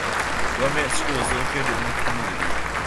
Romance School was located in the community.